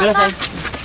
teli kamu ngapain pak